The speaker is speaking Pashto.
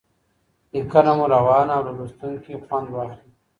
لیکنه مو روانه او له لوستونکي خوند واخلي.